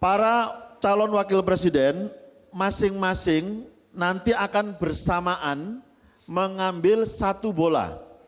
para calon wakil presiden masing masing nanti akan bersamaan mengambil satu bola